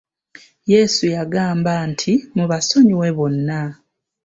Yesu yagamba nti mubasonyiwe bonna.